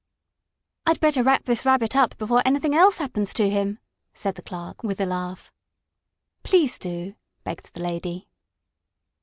"I'd better wrap this Rabbit up before anything else happens to him," said the clerk, with a laugh. "Please do," begged the lady.